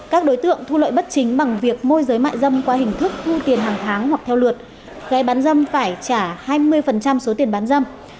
các đối tượng thu lợi bất chính bằng việc môi giới mại dâm qua hình thức thu tiền hàng tháng hoặc theo lượt gây bán dâm phải trả hai mươi số tiền bán dâm